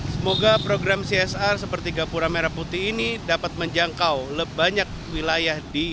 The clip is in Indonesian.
semoga program csr seperti gapura merah putih ini dapat menjangkau banyak wilayah di indonesia